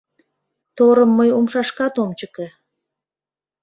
Торым мый умшашкат ом чыке...